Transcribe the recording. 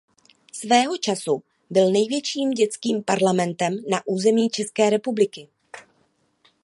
Svého času byl největším dětským parlamentem na území České republiky.